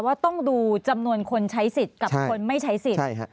ว่าต้องดูจำนวนคนใช้สิทธิ์กับคนไม่ใช้สิทธิ์